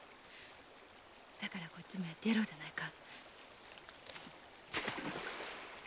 だからこっちもやってやろうじゃないか。